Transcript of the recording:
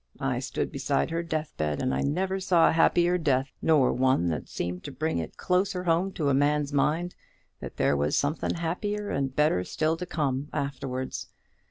I stood beside her deathbed, and I never saw a happier death, nor one that seemed to bring it closer home to a man's mind that there was something happier and better still to come afterwards.